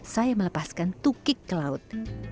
saya melepaskan tukik ke laut